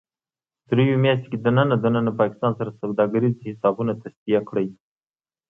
دریو میاشتو کې دننه ـ دننه پاکستان سره سوداګریز حسابونه تصفیه کړئ